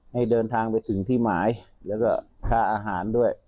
ให้เดินทางไปถึงที่หมายแล้วก็ค่าอาหารด้วย